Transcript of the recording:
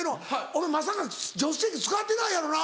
お前まさか助手席使ってないやろな？